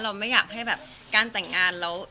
เราไม่อยากให้แบบการแต่งงาน